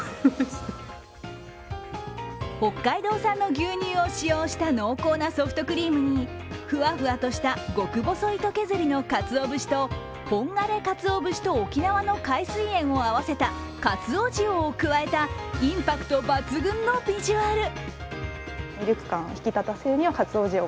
北海道産の牛乳を使用した濃厚なソフトクリームにふわふわとした極細糸削りのかつお節と本枯れかつお節と沖縄の海水塩を合わせたインパクト抜群のビジュアル。